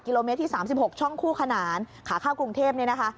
โลเมตรที่๓๖ช่องคู่ขนานขาข้าวกรุงเทพเนี่ยนะคะ